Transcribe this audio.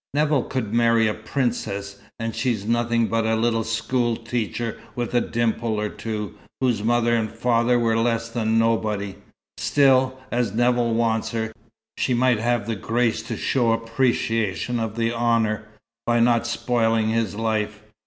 Nevill could marry a princess, and she's nothing but a little school teacher with a dimple or two, whose mother and father were less than nobody. Still, as Nevill wants her, she might have the grace to show appreciation of the honour, by not spoiling his life.